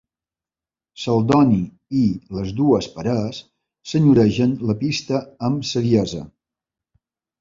Celdoni i les dues parelles senyoregen la pista amb saviesa.